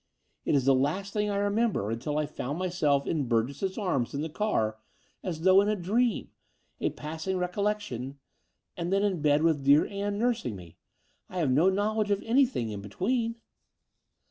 It is the last thing I remember tmtil I fotmd myself in Burgess's arms in the car, as though in a dream — a passing recol lection — ^and then in bed with dear Ann nursing me. I have no knowledge of anjrthing in be tween."